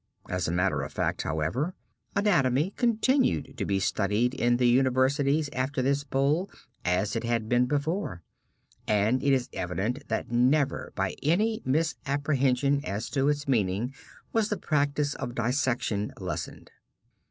As a matter of fact, however, anatomy continued to be studied in the universities after this Bull as it had been before, and it is evident that never by any misapprehension as to its meaning was the practise of dissection lessened.